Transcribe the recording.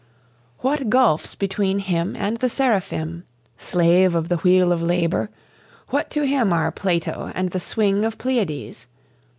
What gulfs between him and the seraphim! Slave of the wheel of labour, what to him Are Plato and the swing of Pleiades?